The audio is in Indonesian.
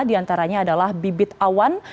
diantaranya adalah bibit awan